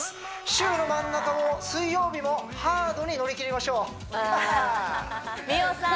週の真ん中も水曜日もハードに乗り切りましょうあ美桜さん